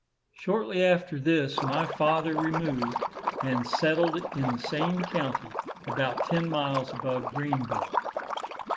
Shortly after this, my father removed, and settled in the same county, about ten miles above Greenville.